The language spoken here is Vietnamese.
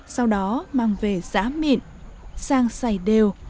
sau đó mang về giá mịn sang xay đều